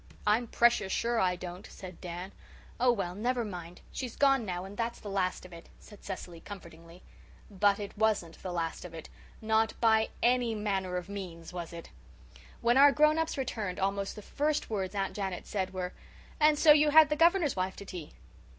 "I'm precious sure I don't," said Dan. "Oh, well, never mind. She's gone now and that's the last of it," said Cecily comfortingly. But it wasn't the last of it not by any manner of means was it! When our grown ups returned almost the first words Aunt Janet said were, "And so you had the Governor's wife to tea?"